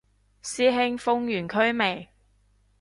師兄封完區未